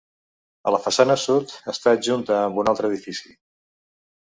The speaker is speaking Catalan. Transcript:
A la façana sud, està adjunta amb un altre edifici.